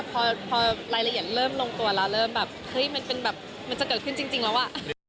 พอรายละเอียดเริ่มลงตัวแล้วเริ่มแบบเฮ้ยมันเป็นแบบมันจะเกิดขึ้นจริงแล้วอ่ะ